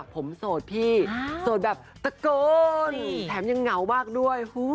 ผมโสดพี่โสดแบบตะโกนแถมยังเหงามากด้วย